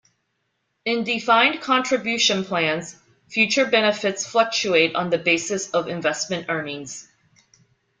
In defined contribution plans, future benefits fluctuate on the basis of investment earnings.